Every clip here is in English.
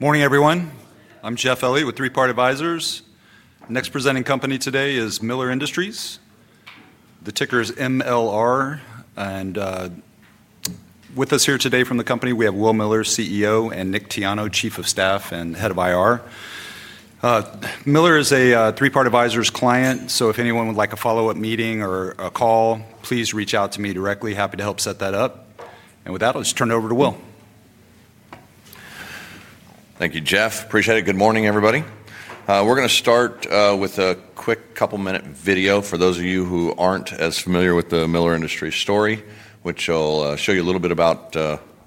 Morning everyone. I'm Jeff Elliott with Three Part Advisors. Next presenting company today is Miller Industries. The ticker is MLR. With us here today from the company, we have Will Miller, CEO, and Nick Tiano, Chief of Staff and Head of IR. Miller is a Three Part Advisors client. If anyone would like a follow-up meeting or a call, please reach out to me directly. Happy to help set that up. With that, I'll just turn it over to Will. Thank you, Jeff. Appreciate it. Good morning, everybody. We're going to start with a quick couple-minute video for those of you who aren't as familiar with the Miller Industries story, which will show you a little bit about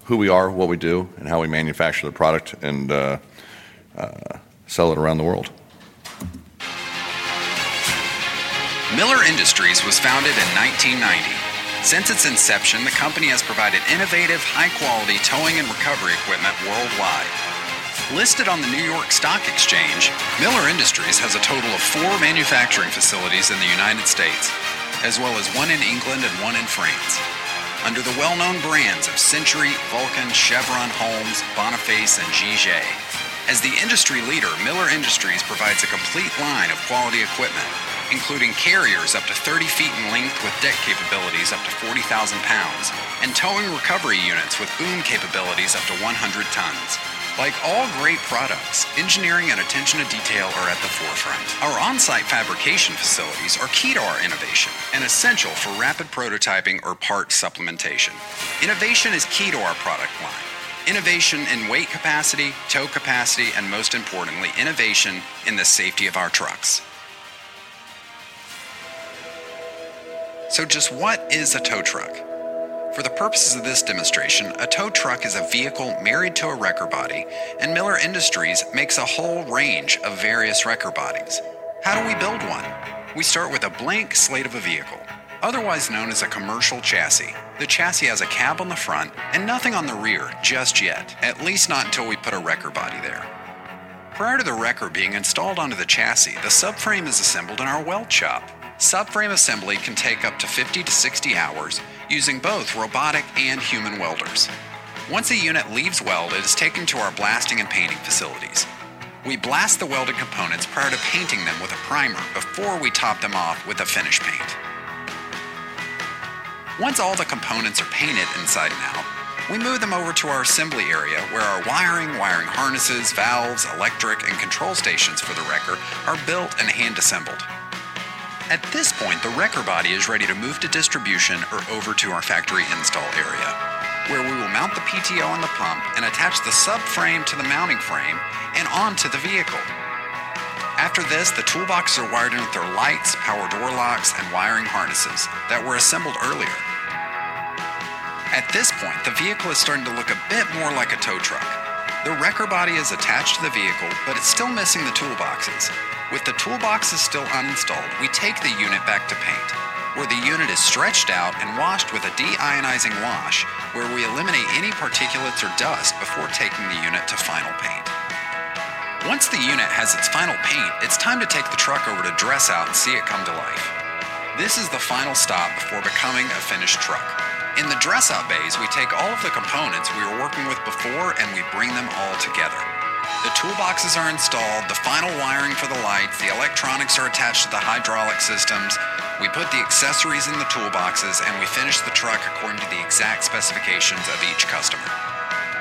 who we are, what we do, and how we manufacture the product and sell it around the world. Miller Industries was founded in 1990. Since its inception, the company has provided innovative, high-quality towing and recovery equipment worldwide. Listed on the New York Stock Exchange, Miller Industries has a total of four manufacturing facilities in the United States, as well as one in England and one in France. Under the well-known brands of Century, Vulcan, Chevron, Holmes, Boniface, and Jige, as the industry leader, Miller Industries provides a complete line of quality equipment, including carriers up to 30 ft in length with deck capabilities up to 40,000 lbs, and towing recovery units with boom capabilities up to 100 tons. Like all great products, engineering and attention to detail are at the forefront. Our on-site fabrication facilities are key to our innovation and essential for rapid prototyping or part supplementation. Innovation is key to our product line. Innovation in weight capacity, tow capacity, and most importantly, innovation in the safety of our trucks. Just what is a tow truck? For the purposes of this demonstration, a tow truck is a vehicle married to a wrecker body, and Miller Industries makes a whole range of various wrecker bodies. How do we build one? We start with a blank slate of a vehicle, otherwise known as a commercial chassis. The chassis has a cab on the front and nothing on the rear just yet, at least not until we put a wrecker body there. Prior to the wrecker being installed onto the chassis, the subframe is assembled in our weld shop. Subframe assembly can take up to 50 - 60 hours using both robotic and human welders. Once a unit leaves weld, it is taken to our blasting and painting facilities. We blast the welded components prior to painting them with a primer before we top them off with a finish paint. Once all the components are painted inside and out, we move them over to our assembly area where our wiring, wiring harnesses, valves, electric, and control stations for the wrecker are built and hand-assembled. At this point, the wrecker body is ready to move to distribution or over to our factory install area where we will mount the PTO on the pump and attach the subframe to the mounting frame and onto the vehicle. After this, the toolboxes are wired in with their lights, power door locks, and wiring harnesses that were assembled earlier. At this point, the vehicle is starting to look a bit more like a tow truck. The wrecker body is attached to the vehicle, but it's still missing the toolboxes. With the toolboxes still uninstalled, we take the unit back to paint, where the unit is stretched out and washed with a deionizing wash, where we eliminate any particulates or dust before taking the unit to final paint. Once the unit has its final paint, it's time to take the truck over to dress out and see it come to life. This is the final stop before becoming a finished truck. In the dress-out bays, we take all of the components we were working with before and we bring them all together. The toolboxes are installed, the final wiring for the lights, the electronics are attached to the hydraulic systems. We put the accessories in the toolboxes, and we finish the truck according to the exact specifications of each customer.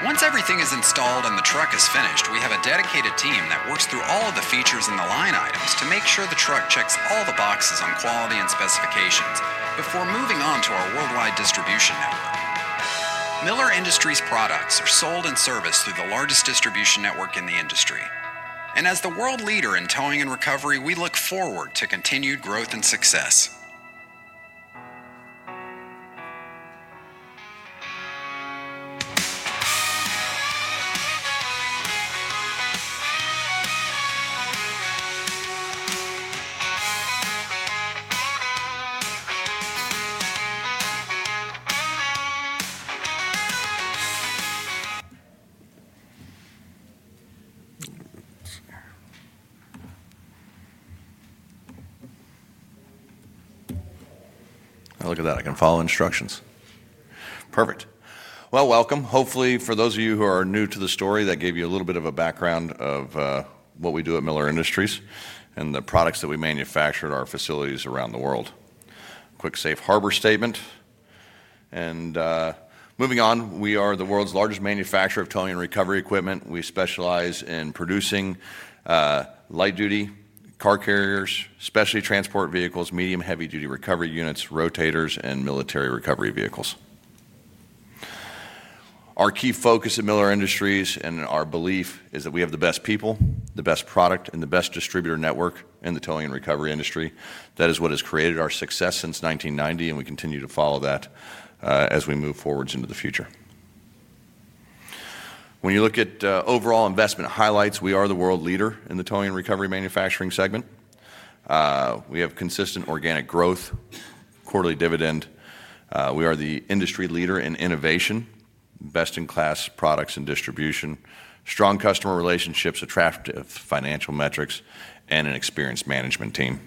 Once everything is installed and the truck is finished, we have a dedicated team that works through all of the features and the line items to make sure the truck checks all the boxes on quality and specifications before moving on to our worldwide distribution network. Miller Industries products are sold and serviced through the largest distribution network in the industry. As the world leader in towing and recovery, we look forward to continued growth and success. I look at that. I can follow instructions. Perfect. Welcome. Hopefully, for those of you who are new to the story, that gave you a little bit of a background of what we do at Miller Industries and the products that we manufacture at our facilities around the world. Quick safe harbor statement. Moving on, we are the world's largest manufacturer of towing and recovery equipment. We specialize in producing light-duty car carriers, specialty transport vehicles, medium-heavy-duty recovery units, rotators, and military recovery vehicles. Our key focus at Miller Industries and our belief is that we have the best people, the best product, and the best distributor network in the towing and recovery industry. That is what has created our success since 1990, and we continue to follow that as we move forward into the future. When you look at overall investment highlights, we are the world leader in the towing and recovery manufacturing segment. We have consistent organic growth, quarterly dividend. We are the industry leader in innovation, best-in-class products and distribution, strong customer relationships, attractive financial metrics, and an experienced management team.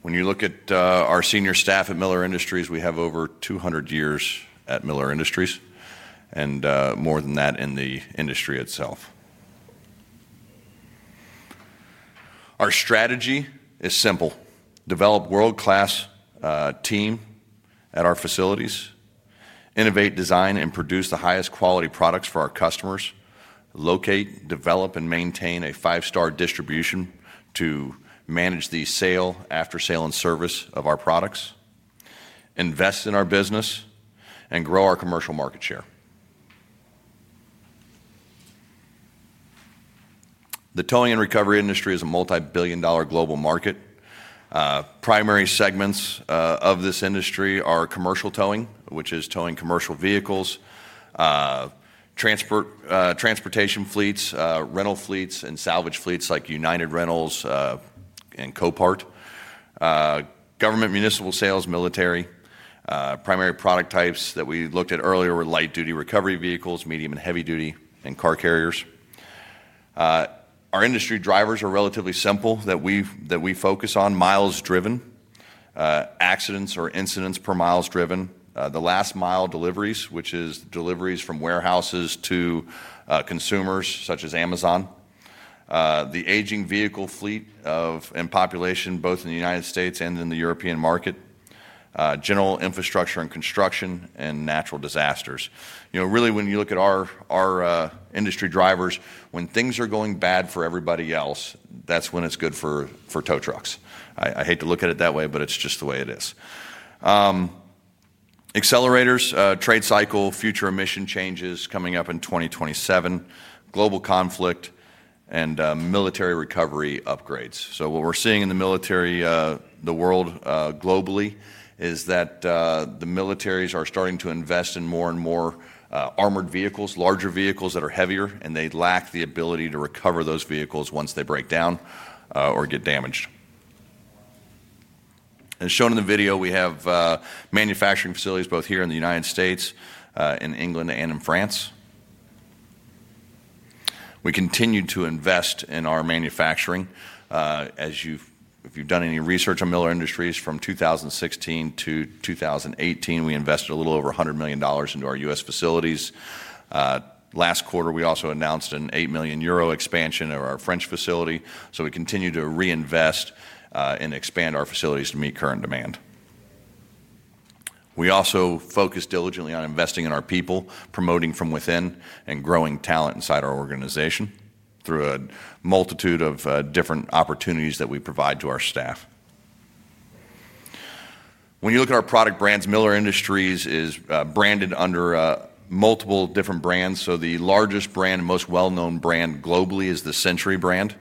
When you look at our senior staff at Miller Industries, we have over 200 years at Miller Industries and more than that in the industry itself. Our strategy is simple: develop a world-class team at our facilities, innovate, design, and produce the highest quality products for our customers, locate, develop, and maintain a five-star distribution to manage the sale, after-sale, and service of our products, invest in our business, and grow our commercial market share. The towing and recovery industry is a multi-billion dollar global market. Primary segments of this industry are commercial towing, which is towing commercial vehicles, transportation fleets, rental fleets, and salvage fleets like United Rentals and Copart, government municipal sales, military. Primary product types that we looked at earlier were light-duty recovery vehicles, medium and heavy-duty, and car carriers. Our industry drivers are relatively simple that we focus on miles driven, accidents or incidents per miles driven, the last mile deliveries, which is deliveries from warehouses to consumers such as Amazon, the aging vehicle fleet and population both in the United States and in the European market, general infrastructure and construction, and natural disasters. You know, really, when you look at our industry drivers, when things are going bad for everybody else, that's when it's good for tow trucks. I hate to look at it that way, but it's just the way it is. Accelerators, trade cycle, future emission changes coming up in 2027, global conflict, and military recovery upgrades. What we're seeing in the military, the world globally, is that the militaries are starting to invest in more and more armored vehicles, larger vehicles that are heavier, and they lack the ability to recover those vehicles once they break down or get damaged. As shown in the video, we have manufacturing facilities both here in the United States, in England, and in France. We continue to invest in our manufacturing. If you've done any research on Miller Industries, from 2016 to 2018, we invested a little over $100 million into our U.S. facilities. Last quarter, we also announced an 8 million euro expansion of our French facility. We continue to reinvest and expand our facilities to meet current demand. We also focus diligently on investing in our people, promoting from within, and growing talent inside our organization through a multitude of different opportunities that we provide to our staff. When you look at our product brands, Miller Industries is branded under multiple different brands. The largest brand and most well-known brand globally is the Century brand.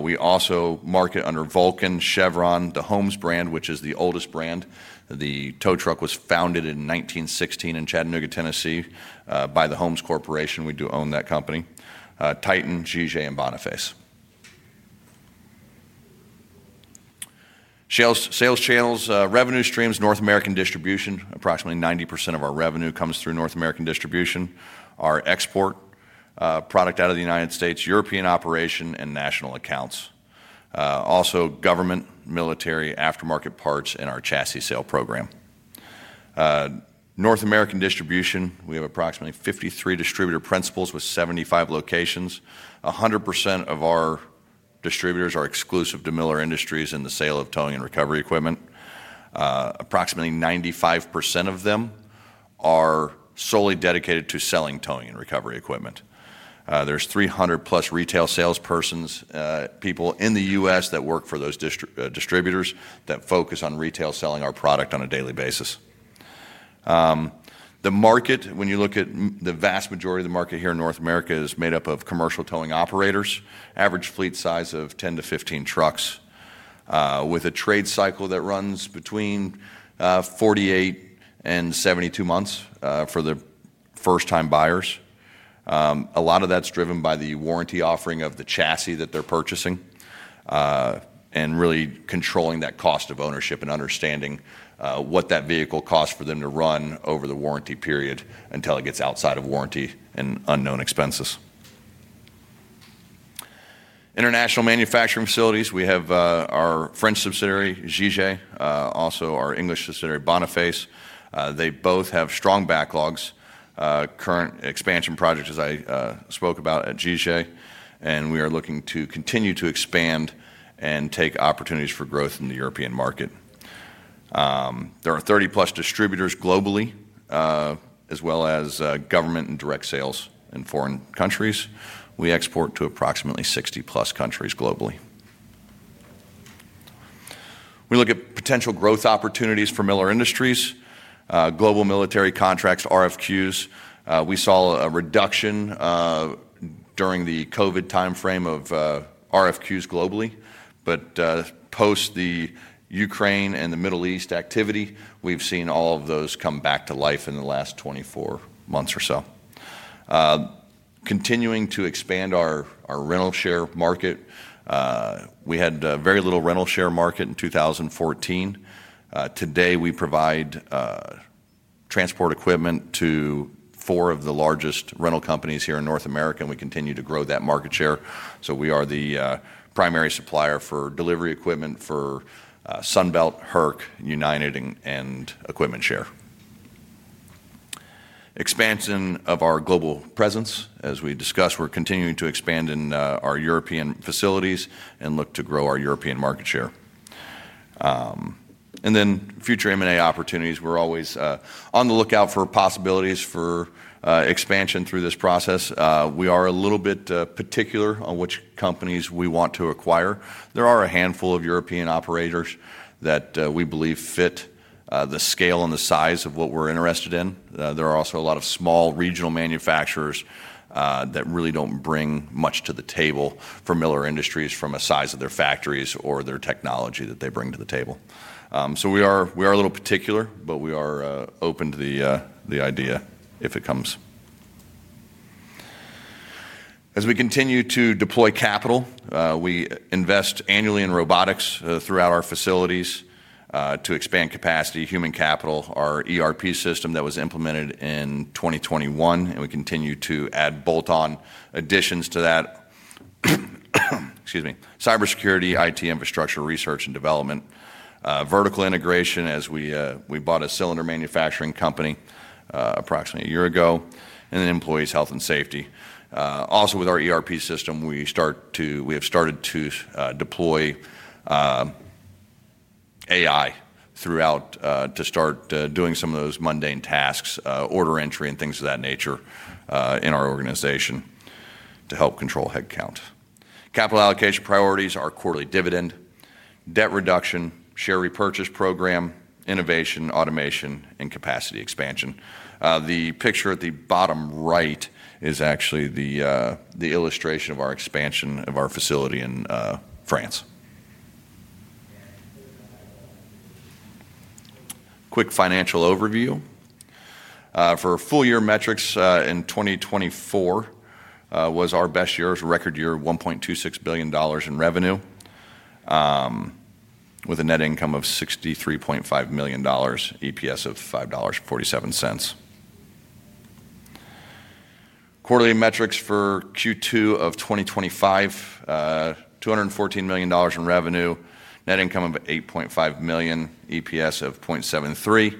We also market under Vulcan, Chevron, the Holmes brand, which is the oldest brand. The tow truck was founded in 1916 in Chattanooga, Tennessee, by the Holmes Corporation. We do own that company. Titan, Jige, and Boniface. Sales channels, revenue streams, North American distribution. Approximately 90% of our revenue comes through North American distribution. Our export product out of the United States, European operation, and national accounts. Also, government, military, aftermarket parts, and our chassis sales program. North American distribution, we have approximately 53 distributor principals with 75 locations. 100% of our distributors are exclusive to Miller Industries in the sale of towing and recovery equipment. Approximately 95% of them are solely dedicated to selling towing and recovery equipment. There's 300+ retail salespersons, people in the U.S. that work for those distributors that focus on retail selling our product on a daily basis. The market, when you look at the vast majority of the market here in North America, is made up of commercial towing operators, average fleet size of 10 to 15 trucks, with a trade cycle that runs between 48 and 72 months for the first-time buyers. A lot of that's driven by the warranty offering of the chassis that they're purchasing and really controlling that cost of ownership and understanding what that vehicle costs for them to run over the warranty period until it gets outside of warranty and unknown expenses. International manufacturing facilities, we have our French subsidiary, Jige, also our English subsidiary, Boniface. They both have strong backlogs, current expansion projects, as I spoke about at Jige, and we are looking to continue to expand and take opportunities for growth in the European market. There are 30+ distributors globally, as well as government and direct sales in foreign countries. We export to approximately 60+ countries globally. We look at potential growth opportunities for Miller Industries, global military contracts, RFQs. We saw a reduction during the COVID timeframe of RFQs globally, but post the Ukraine and the Middle East activity, we've seen all of those come back to life in the last 24 months or so. Continuing to expand our rental share market, we had very little rental share market in 2014. Today, we provide transport equipment to four of the largest rental companies here in North America, and we continue to grow that market share. We are the primary supplier for delivery equipment for Sunbelt, HERC, United Rentals, and EquipmentShare. Expansion of our global presence, as we discussed, we're continuing to expand in our European facilities and look to grow our European market share. Future M&A opportunities, we're always on the lookout for possibilities for expansion through this process. We are a little bit particular on which companies we want to acquire. There are a handful of European operators that we believe fit the scale and the size of what we're interested in. There are also a lot of small regional manufacturers that really don't bring much to the table for Miller Industries from a size of their factories or their technology that they bring to the table. We are a little particular, but we are open to the idea if it comes. As we continue to deploy capital, we invest annually in robotics throughout our facilities to expand capacity, human capital, our ERP system that was implemented in 2021, and we continue to add bolt-on additions to that. Cybersecurity, IT infrastructure, research and development, vertical integration as we bought a cylinder manufacturing company approximately a year ago, and then employees' health and safety. Also, with our ERP system, we have started to deploy AI throughout to start doing some of those mundane tasks, order entry, and things of that nature in our organization to help control headcount. Capital allocation priorities are quarterly dividend, debt reduction, share repurchase program, innovation, automation, and capacity expansion. The picture at the bottom right is actually the illustration of our expansion of our facility in France. Quick financial overview. For full-year metrics in 2024, was our best year, record year, $1.26 billion in revenue with a net income of $63.5 million, EPS of $5.47. Quarterly metrics for Q2 of 2025, $214 million in revenue, net income of $8.5 million, EPS of $0.73.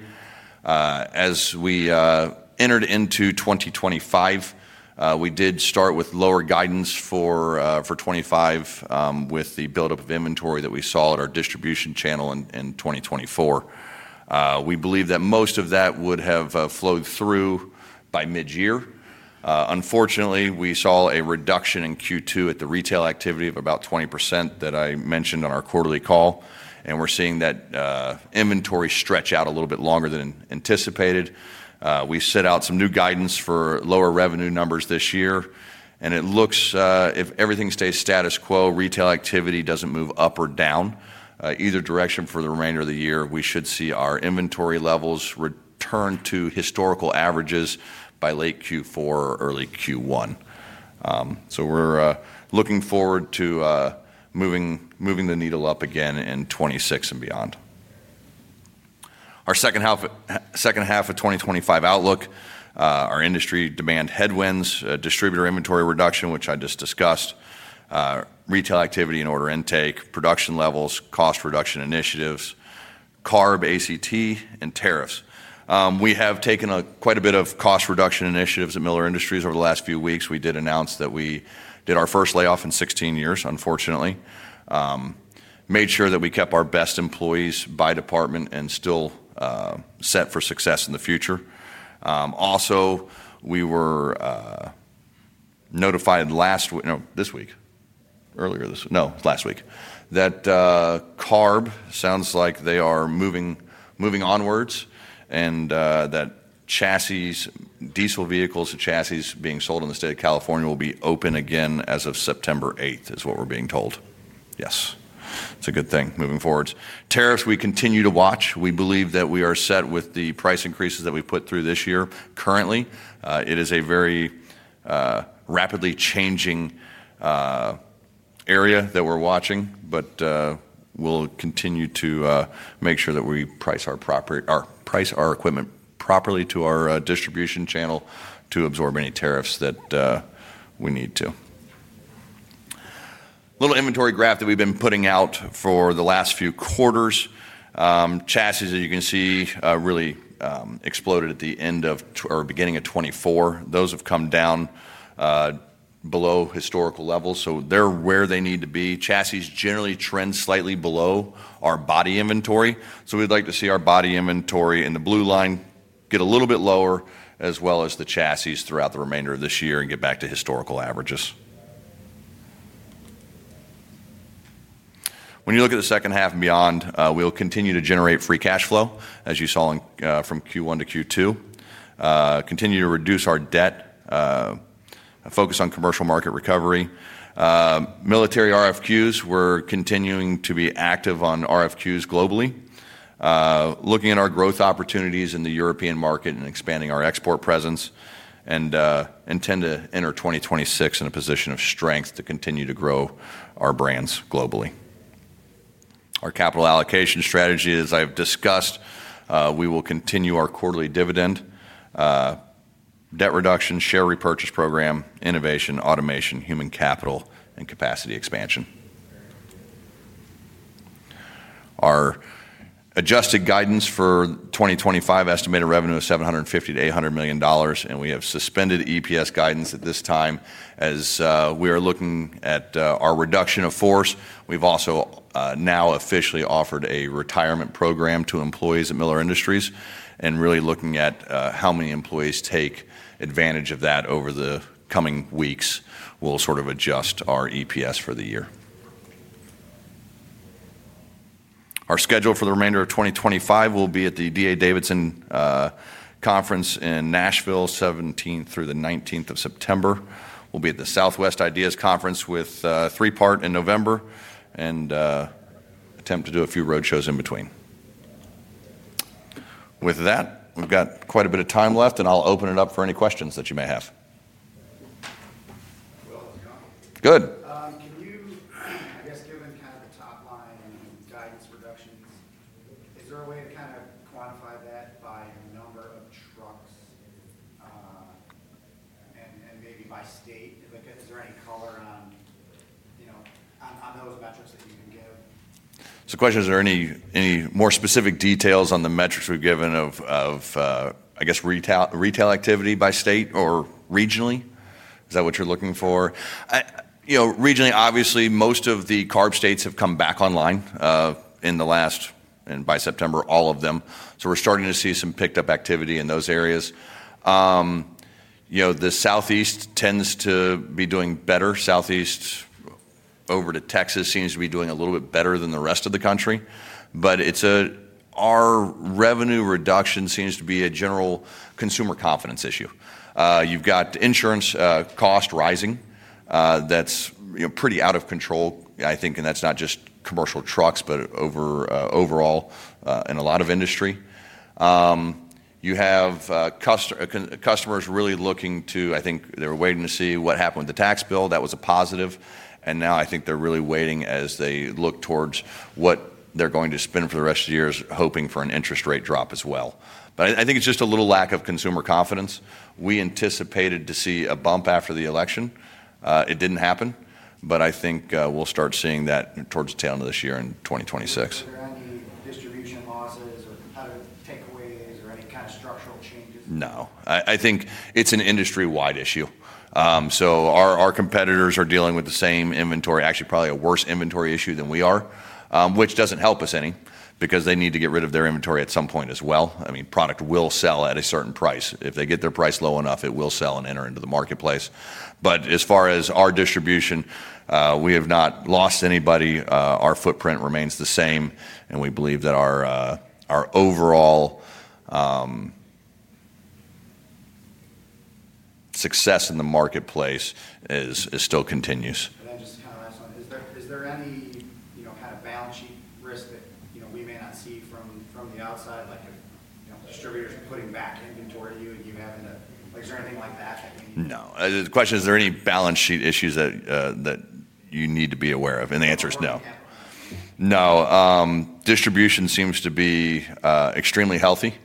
As we entered into 2025, we did start with lower guidance for '25 with the buildup of inventory that we saw at our distribution channel in 2024. We believe that most of that would have flowed through by mid-year. Unfortunately, we saw a reduction in Q2 at the retail activity of about 20% that I mentioned on our quarterly call, and we're seeing that inventory stretch out a little bit longer than anticipated. We set out some new guidance for lower revenue numbers this year, and it looks, if everything stays status quo, retail activity doesn't move up or down either direction for the remainder of the year, we should see our inventory levels return to historical averages by late Q4 or early Q1. We are looking forward to moving the needle up again in 2026 and beyond. Our second half of 2025 outlook, our industry demand headwinds, distributor inventory reduction, which I just discussed, retail activity and order intake, production levels, cost reduction initiatives, CARB, ACT, and tariffs. We have taken quite a bit of cost reduction initiatives at Miller Industries over the last few weeks. We did announce that we did our first layoff in 16 years, unfortunately. Made sure that we kept our best employees by department and still set for success in the future. We were notified last week that CARB sounds like they are moving onwards and that diesel vehicles of chassis being sold in the state of California will be open again as of September 8th is what we're being told. Yes. It's a good thing moving forwards. Tariffs, we continue to watch. We believe that we are set with the price increases that we put through this year. Currently, it is a very rapidly changing area that we're watching, but we'll continue to make sure that we price our equipment properly to our distribution channel to absorb any tariffs that we need to. Little inventory graph that we've been putting out for the last few quarters. Chassis, as you can see, really exploded at the end of or beginning of 2024. Those have come down below historical levels. They're where they need to be. Chassis generally trend slightly below our body inventory. We'd like to see our body inventory in the blue line get a little bit lower, as well as the chassis throughout the remainder of this year and get back to historical averages. When you look at the second half and beyond, we'll continue to generate free cash flow, as you saw from Q1 to Q2. Continue to reduce our debt, focus on commercial market recovery. Military RFQs, we're continuing to be active on RFQs globally, looking at our growth opportunities in the European market and expanding our export presence and intend to enter 2026 in a position of strength to continue to grow our brands globally. Our capital allocation strategy, as I've discussed, we will continue our quarterly dividend, debt reduction, share repurchase program, innovation, automation, human capital, and capacity expansion. Our adjusted guidance for 2025 estimated revenue is $750 million - $800 million, and we have suspended EPS guidance at this time as we are looking at our reduction of force. We've also now officially offered a retirement program to employees at Miller Industries and really looking at how many employees take advantage of that over the coming weeks. We'll sort of adjust our EPS for the year. Our schedule for the remainder of 2025 will be at the D.A. Davidson Conference in Nashville, 17th through the 19th of September. We'll be at the Southwest Ideas Conference with Three Part in November and attempt to do a few roadshows in between. With that, we've got quite a bit of time left, and I'll open it up for any questions that you may have. Good. I guess given kind of the top line and guidance reductions, is there a way to kind of quantify that by the number of trucks and maybe by state? Is there any color on the? Are there any more specific details on the metrics we've given of, I guess, retail activity by state or regionally? Is that what you're looking for? Regionally, obviously, most of the CARB states have come back online in the last, and by September, all of them. We're starting to see some picked-up activity in those areas. The Southeast tends to be doing better. Southeast over to Texas seems to be doing a little bit better than the rest of the country. Our revenue reduction seems to be a general consumer confidence issue. You've got insurance cost rising that's pretty out of control, I think, and that's not just commercial trucks, but overall in a lot of industry. You have customers really looking to, I think they're waiting to see what happened with the tax bill. That was a positive. Now I think they're really waiting as they look towards what they're going to spend for the rest of the years, hoping for an interest rate drop as well. I think it's just a little lack of consumer confidence. We anticipated to see a bump after the election. It didn't happen. I think we'll start seeing that towards the tail end of this year in 2026. Is there a pattern of takeaway? Is there any kind of structural changes? No, I think it's an industry-wide issue. Our competitors are dealing with the same inventory, actually probably a worse inventory issue than we are, which doesn't help us any because they need to get rid of their inventory at some point as well. Product will sell at a certain price. If they get their price low enough, it will sell and enter into the marketplace. As far as our distribution, we have not lost anybody. Our footprint remains the same, and we believe that our overall success in the marketplace is still continuous. Is there any kind of balance sheet risk that we may not see from the outside, like if distributors are putting back inventory? Do you have anything like that? No. The question is, are there any balance sheet issues that you need to be aware of? The answer is no. Distribution seems to be extremely healthy.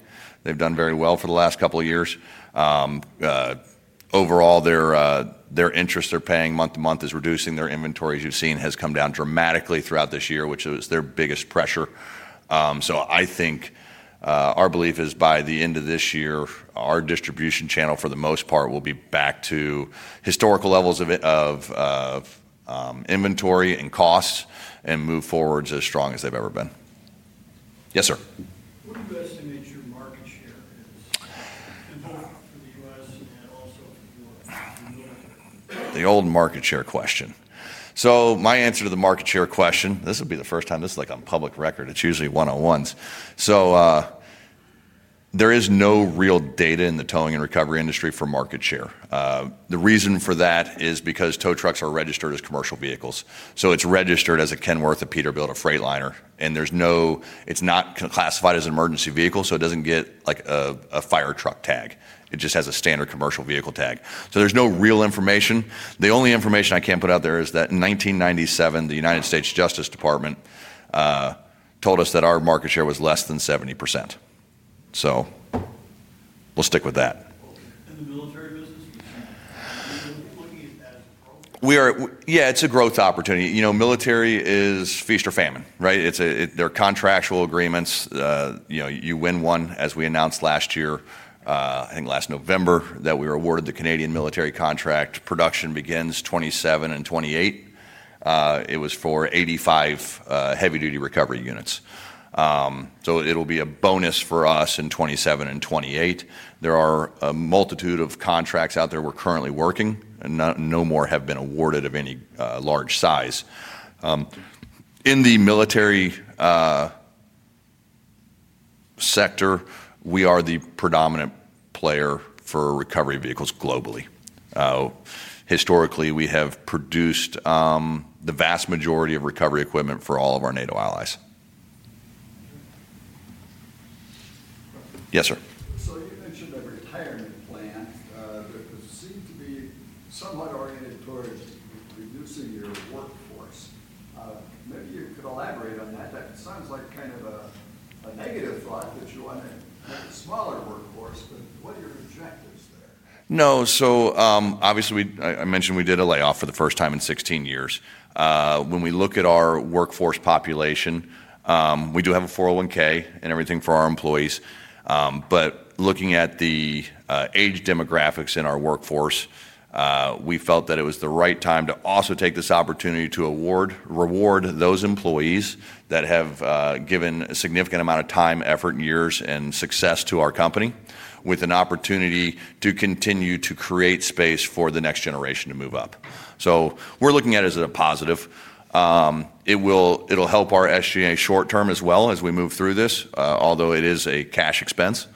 They've done very well for the last couple of years. Overall, their interest they're paying month to month is reducing. Their inventory, as you've seen, has come down dramatically throughout this year, which is their biggest pressure. I think our belief is by the end of this year, our distribution channel, for the most part, will be back to historical levels of inventory and costs and move forwards as strong as they've ever been. Yes, sir. What do you estimate your market share is involved with the growth? The old market share question. My answer to the market share question, this will be the first time. This is like on public record. It's usually one-on-ones. There is no real data in the towing and recovery industry for market share. The reason for that is because tow trucks are registered as commercial vehicles. It's registered as a Kenworth, a Peterbilt, a Freightliner, and it's not classified as an emergency vehicle, so it doesn't get like a fire truck tag. It just has a standard commercial vehicle tag. There's no real information. The only information I can put out there is that in 1997, the U.S. Justice Department told us that our market share was less than 70%. We'll stick with that. Is the military business, are you concerned about that? Yeah, it's a growth opportunity. You know, military is feast or famine, right? They're contractual agreements. You know, you win one, as we announced last year, I think last November, that we were awarded the Canadian military contract. Production begins 2027 and 2028. It was for 85 heavy-duty recovery units. It'll be a bonus for us in 2027 and 2028. There are a multitude of contracts out there we're currently working, and no more have been awarded of any large size. In the military sector, we are the predominant player for recovery vehicles globally. Historically, we have produced the vast majority of recovery equipment for all of our NATO allies. Yes, sir. You mentioned the retirement plans that seem to be somewhat oriented towards reducing your workforce. Maybe you could elaborate on that. It sounds like kind of a negative thought that you want to. No. Obviously, I mentioned we did a layoff for the first time in 16 years. When we look at our workforce population, we do have a 401K and everything for our employees. Looking at the age demographics in our workforce, we felt that it was the right time to also take this opportunity to reward those employees that have given a significant amount of time, effort, years, and success to our company with an opportunity to continue to create space for the next generation to move up. We are looking at it as a positive. It'll help our SG&A short term as we move through this, although it is a cash expense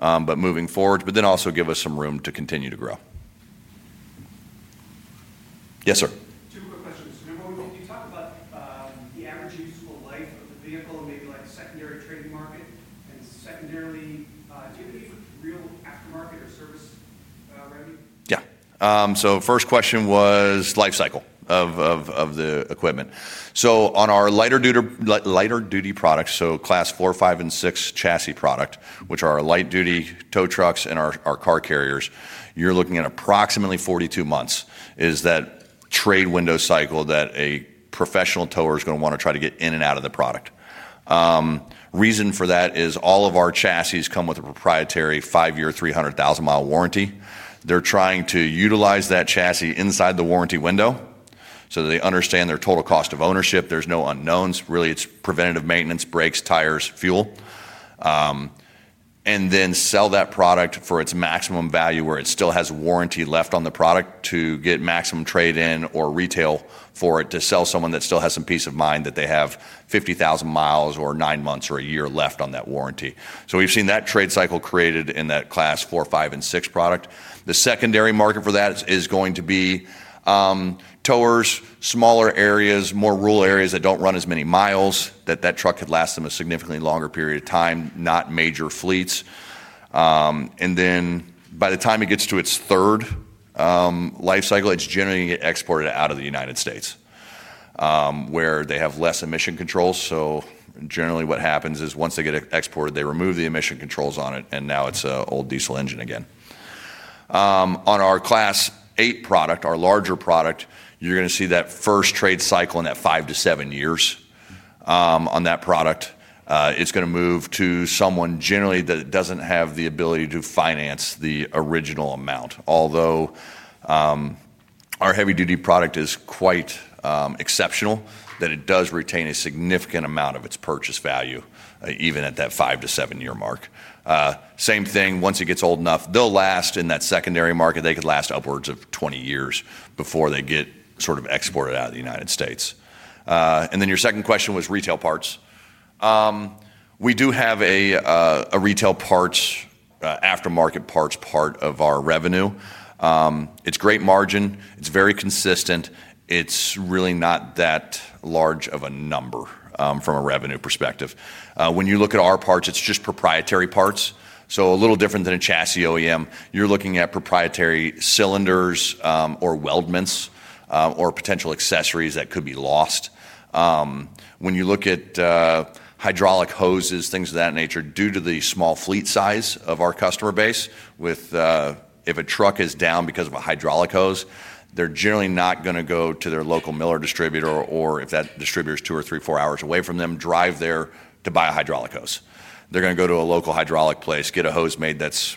moving forward, but it will also give us some room to continue to grow. Yes, sir. Two more questions. We've talked about the average usable life of the vehicle and maybe like secondary trading market. Secondarily, do you have any real aftermarket or service? Yeah. First question was lifecycle of the equipment. On our lighter duty products, class four, five, and six chassis product, which are our light-duty tow trucks and our car carriers, you're looking at approximately 42 months as that trade window cycle that a professional tower is going to want to try to get in and out of the product. Reason for that is all of our chassis come with a proprietary five-year, 300,000 mi warranty. They're trying to utilize that chassis inside the warranty window so they understand their total cost of ownership. There's no unknowns. Really, it's preventative maintenance, brakes, tires, fuel, and then sell that product for its maximum value where it still has warranty left on the product to get maximum trade-in or retail for it to sell someone that still has some peace of mind that they have 50,000 mi or nine months or a year left on that warranty. We've seen that trade cycle created in that class four, five, and six product. The secondary market for that is going to be towers, smaller areas, more rural areas that don't run as many miles, that that truck could last them a significantly longer period of time, not major fleets. By the time it gets to its third lifecycle, it's generally exported out of the United States where they have less emission controls. Generally, what happens is once they get it exported, they remove the emission controls on it, and now it's an old diesel engine again. On our class eight product, our larger product, you're going to see that first trade cycle in that five to seven years on that product. It's going to move to someone generally that doesn't have the ability to finance the original amount. Although our heavy-duty product is quite exceptional, it does retain a significant amount of its purchase value even at that five to seven-year mark. Same thing, once it gets old enough, they'll last in that secondary market. They could last upwards of 20 years before they get sort of exported out of the United States. Your second question was retail parts. We do have a retail parts, aftermarket parts part of our revenue. It's great margin. It's very consistent. It's really not that large of a number from a revenue perspective. When you look at our parts, it's just proprietary parts. A little different than a chassis OEM, you're looking at proprietary cylinders or weldments or potential accessories that could be lost. When you look at hydraulic hoses, things of that nature, due to the small fleet size of our customer base, if a truck is down because of a hydraulic hose, they're generally not going to go to their local Miller distributor, or if that distributor is two or three, four hours away from them, drive there to buy a hydraulic hose. They're going to go to a local hydraulic place, get a hose made that's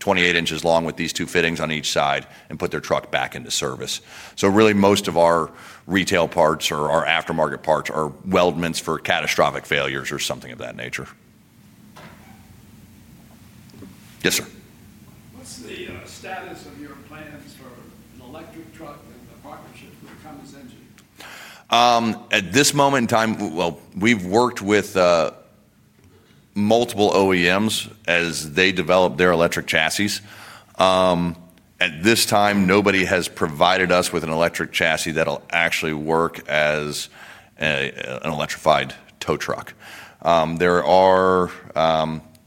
28 in long with these two fittings on each side, and put their truck back into service. Most of our retail parts or our aftermarket parts are weldments for catastrophic failures or something of that nature. Yes, sir. What's the status of your plans for an electric truck and the partnership with Thomas Engine? At this moment in time, we've worked with multiple OEMs as they develop their electric chassis. At this time, nobody has provided us with an electric chassis that'll actually work as an electrified tow truck. There are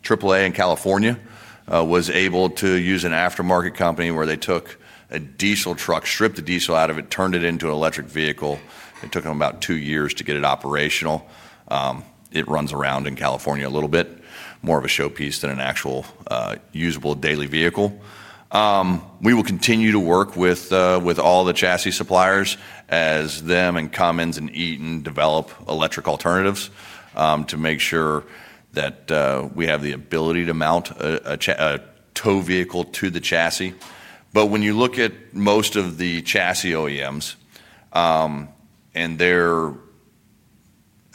AAA in California was able to use an aftermarket company where they took a diesel truck, stripped the diesel out of it, turned it into an electric vehicle. It took them about two years to get it operational. It runs around in California a little bit, more of a showpiece than an actual usable daily vehicle. We will continue to work with all the chassis suppliers as them and Cummins and Eaton develop electric alternatives to make sure that we have the ability to mount a tow vehicle to the chassis. When you look at most of the chassis OEMs and their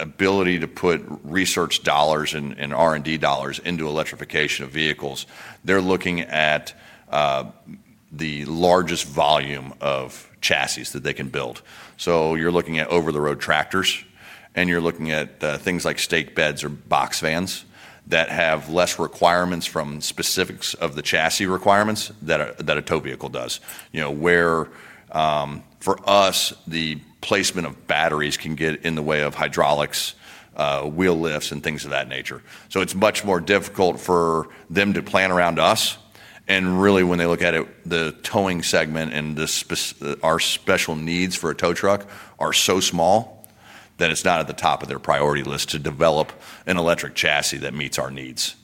ability to put research dollars and R&D dollars into electrification of vehicles, they're looking at the largest volume of chassis that they can build. You're looking at over-the-road tractors, and you're looking at things like stake beds or box vans that have less requirements from specifics of the chassis requirements that a tow vehicle does. For us, the placement of batteries can get in the way of hydraulics, wheel lifts, and things of that nature. It's much more difficult for them to plan around us. Really, when they look at it, the towing segment and our special needs for a tow truck are so small that it's not at the top of their priority list to develop an electric chassis that meets our needs.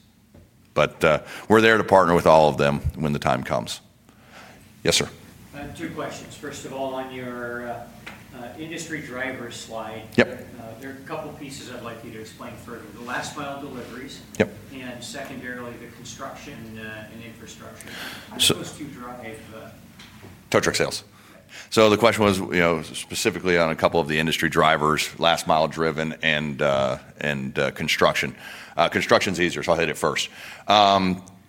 We're there to partner with all of them when the time comes. Yes, sir. Two questions. First of all, on your industry driver slide, there are a couple of pieces I'd like you to explain further. The last-mile deliveries and secondarily the construction infrastructure. The question was specifically on a couple of the industry drivers, last mile driven and construction. Construction's easier, so I'll hit it first.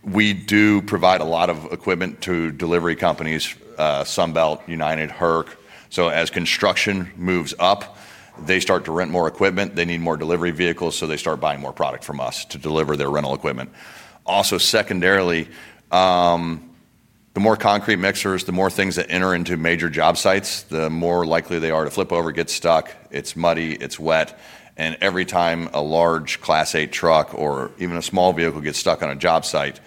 We do provide a lot of equipment to delivery companies, Sunbelt, United Rentals, HERC. As construction moves up, they start to rent more equipment. They need more delivery vehicles, so they start buying more product from us to deliver their rental equipment. Also, secondarily, the more concrete mixers, the more things that enter into major job sites, the more likely they are to flip over, get stuck. It's muddy, it's wet. Every time a large class eight truck or even a small vehicle gets stuck on a job site,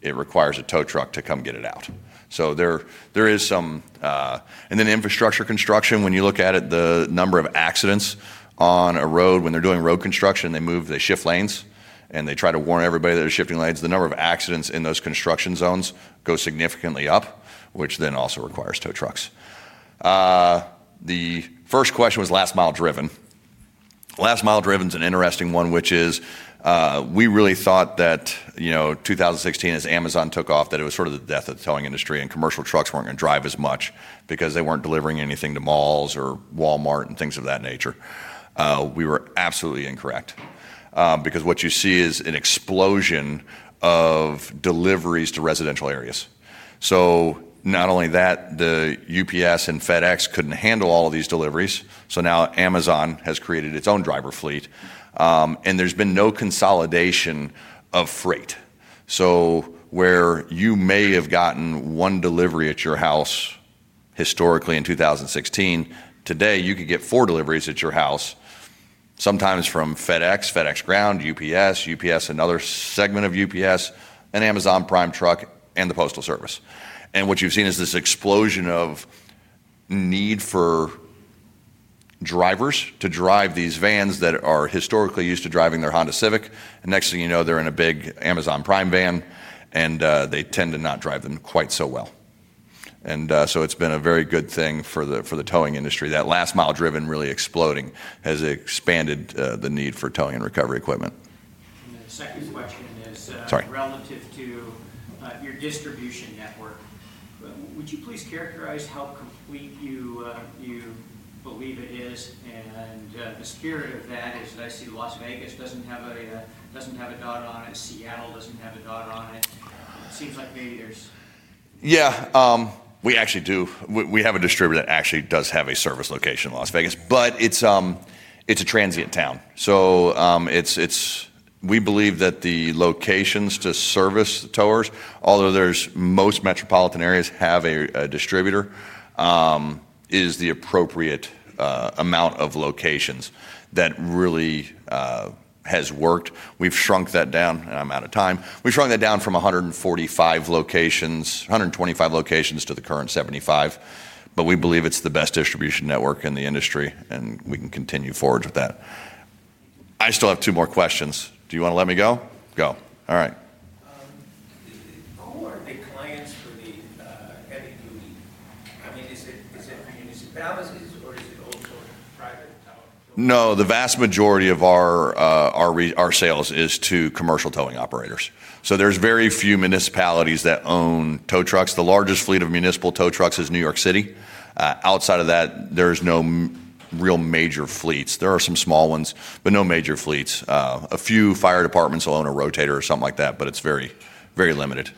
it requires a tow truck to come get it out. There is some, and then infrastructure construction, when you look at it, the number of accidents on a road, when they're doing road construction, they move, they shift lanes, and they try to warn everybody that they're shifting lanes. The number of accidents in those construction zones goes significantly up, which then also requires tow trucks. The first question was last mile driven. Last mile driven is an interesting one, which is we really thought that, you know, 2016, as Amazon took off, that it was sort of the death of the towing industry and commercial trucks weren't going to drive as much because they weren't delivering anything to malls or Walmart and things of that nature. We were absolutely incorrect because what you see is an explosion of deliveries to residential areas. Not only that, the UPS and FedEx couldn't handle all of these deliveries. Now Amazon has created its own driver fleet, and there's been no consolidation of freight. Where you may have gotten one delivery at your house historically in 2016, today you could get four deliveries at your house, sometimes from FedEx, FedEx Ground, UPS, UPS, another segment of UPS, an Amazon Prime truck, and the Postal Service. What you've seen is this explosion of need for drivers to drive these vans that are historically used to driving their Honda Civic. Next thing you know, they're in a big Amazon Prime van, and they tend to not drive them quite so well. It's been a very good thing for the towing industry. That last mile driven really exploding has expanded the need for towing and recovery equipment. The second question is relative to your distribution network. Would you please characterize how complete you believe it is? The spirit of that is that I see Las Vegas doesn't have a dot on it. Seattle doesn't have a dot on it. It seems like maybe there's. Yeah, we actually do. We have a distributor that actually does have a service location in Las Vegas, but it's a transient town. We believe that the locations to service the towers, although most metropolitan areas have a distributor, is the appropriate amount of locations that really has worked. We've shrunk that down from 145 locations, 125 locations to the current 75. We believe it's the best distribution network in the industry, and we can continue forwards with that. I still have two more questions. Do you want to let me go? Go. All right. Who are the clients for the? No, the vast majority of our sales is to commercial towing operators. There's very few municipalities that own tow trucks. The largest fleet of municipal tow trucks is New York City. Outside of that, there's no real major fleets. There are some small ones, but no major fleets. A few fire departments will own a rotator or something like that, but it's very, very limited.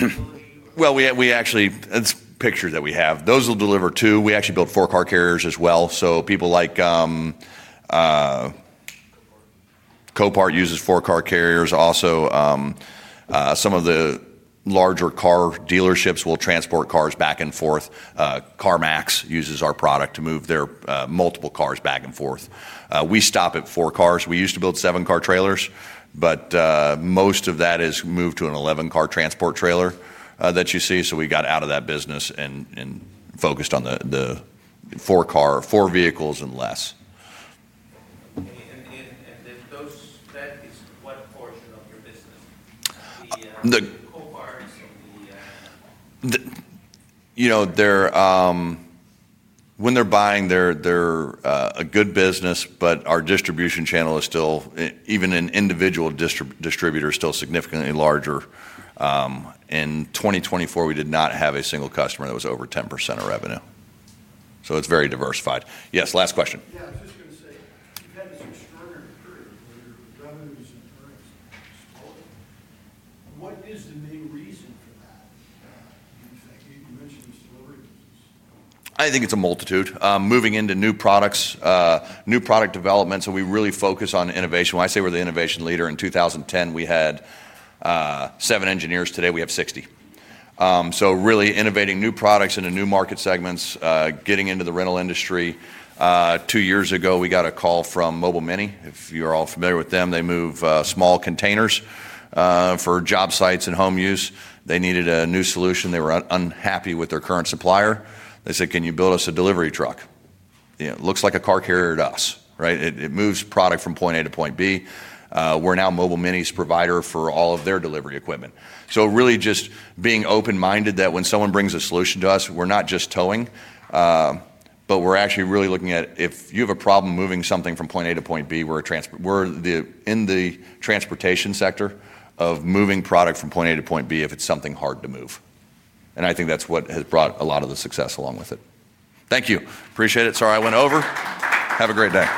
When you spoke about the growth possibilities, you didn't actually include any sort of line extension. Is there no possibility of, like, I mean, you carry one car. What would it take for you to manufacture the regular car carrier? What's it for delivery of new cars? It's pictures that we have. Those will deliver two. We actually build four-car carriers as well. People like Copart use four-car carriers. Also, some of the larger car dealerships will transport cars back and forth. CarMax uses our product to move their multiple cars back and forth. We stop at four cars. We used to build seven-car trailers, but most of that has moved to an 11-car transport trailer that you see. We got out of that business and focused on the four-car or four vehicles and less. Those, that is what portion of your business? When they're buying, they're a good business, but our distribution channel is still, even an individual distributor, is still significantly larger. In 2024, we did not have a single customer that was over 10% of revenue. It's very diversified. Yes, last question. Yeah, I was just going to say, you had this extraordinary period when your revenues and currency exploded. What is the main reason for that? I think that came to you mentioned it was delivery business. I think it's a multitude. Moving into new products, new product development. We really focus on innovation. When I say we're the innovation leader, in 2010, we had seven engineers. Today, we have 60. Really innovating new products into new market segments, getting into the rental industry. Two years ago, we got a call from MobileMini. If you're all familiar with them, they move small containers for job sites and home use. They needed a new solution. They were unhappy with their current supplier. They said, "Can you build us a delivery truck?" It looks like a car carrier to us, right? It moves product from point A to point B. We're now MobileMini's provider for all of their delivery equipment. Really just being open-minded that when someone brings a solution to us, we're not just towing, but we're actually really looking at if you have a problem moving something from point A to point B, we're in the transportation sector of moving product from point A to point B if it's something hard to move. I think that's what has brought a lot of the success along with it. Thank you. Appreciate it. Sorry I went over. Have a great day.